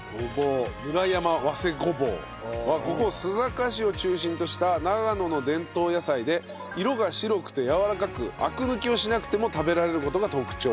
村山早生ごぼうはここ須坂市を中心とした長野の伝統野菜で色が白くてやわらかくアク抜きをしなくても食べられる事が特徴。